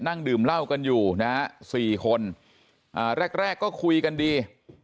นั่งดื่มเหล้ากันอยู่นะฮะ๔คนแรกก็คุยกันดี